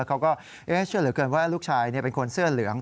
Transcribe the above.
เขาก็เชื่อเหลือเกินว่าลูกชายเป็นคนเสื้อเหลือง